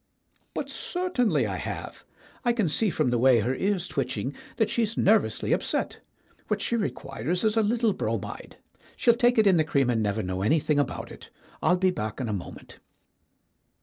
"But certainly I have. I can see from the way her ear's twitching that she's nervously upset. What she requires is a little bromide. She'll take it in the cream and never know anything about it. I'll be back in a moment."